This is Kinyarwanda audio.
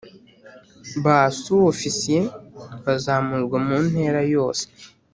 Ba Su Ofisiye bazamurwa mu ntera yose